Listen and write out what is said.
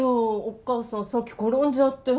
お母さんさっき転んじゃって。